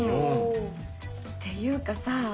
ていうかさ